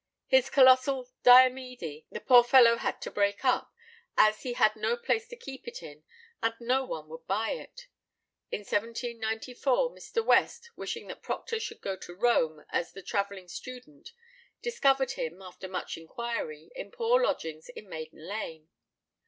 His colossal "Diomede" the poor fellow had to break up, as he had no place to keep it in, and no one would buy it. In 1794 Mr. West, wishing that Procter should go to Rome as the travelling student, discovered him, after much inquiry, in poor lodgings in Maiden Lane.